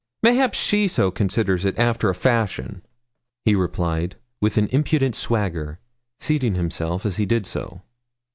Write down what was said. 'Mayhap she so considers it, after a fashion,' he replied, with an impudent swagger, seating himself as he did so.